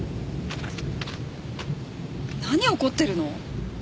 何怒ってるの？